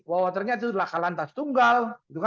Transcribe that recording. bahwa ternyata itu adalah kalantas tunggal